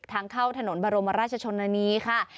ทางเข้าถนนบรมราชชนนานีค่ะ